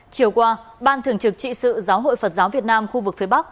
chiều qua ban thường trực trị sự giáo hội phật giáo việt nam khu vực phía bắc